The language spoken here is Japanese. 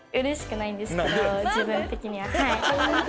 自分的には。